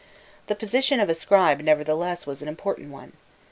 The position of a scribe, nevertheless, was an important one.